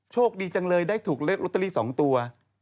โชคดีจังเลยได้ถูกเลขลอตเตอรี่๒ตัว